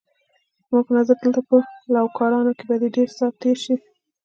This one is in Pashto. زما په نظر دلته په لوکارنو کې به دې ډېر ساعت تېر شي.